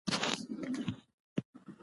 وګړي د افغان کورنیو د دودونو مهم عنصر دی.